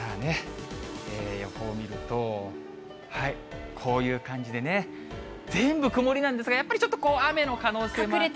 予報見ると、こういう感じでね、全部曇りなんですが、やっぱりちょっと、雨の可能性もあって。